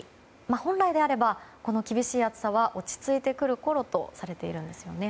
本来であればこの厳しい暑さは落ち着いてくるころとされているんですね。